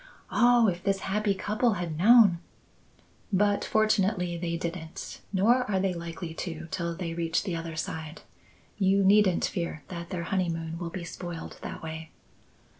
Oh, if this happy couple had known " "But fortunately they didn't. Nor are they likely to, till they reach the other side. You needn't fear that their honeymoon will be spoiled that way."